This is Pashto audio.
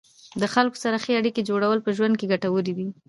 د خلکو سره ښې اړیکې جوړول په ژوند کې ګټورې دي.